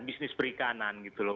bisnis perikanan gitu loh